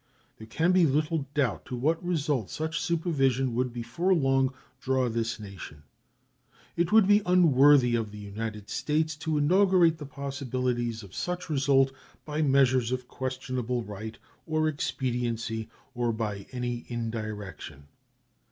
There can be little doubt to what result such supervision would before long draw this nation. It would be unworthy of the United States to inaugurate the possibilities of such result by measures of questionable right or expediency or by any indirection.